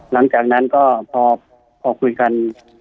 หลังจากนั้นก็พอคุยกัน